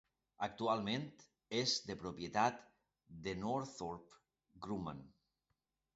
Actualment és de propietat de Northrop Grumman.